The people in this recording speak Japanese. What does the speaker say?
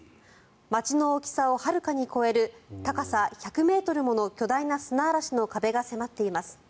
街の大きさをはるかに超える高さ１００ｍもの巨大な砂嵐の壁が迫っています。